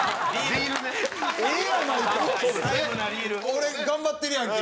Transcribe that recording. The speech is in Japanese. これ頑張ってるやんけ。